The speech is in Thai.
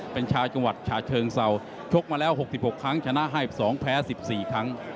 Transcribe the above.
เป็นชาวจังหวัดฉะเชิงเศร้าชกมาแล้ว๖๖ครั้งชนะ๕๒แพ้๑๔ครั้ง